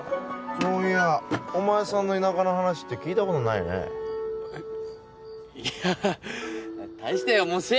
そういやお前さんの田舎の話って聞いたことないねえッ？いや大しておもっしぇえ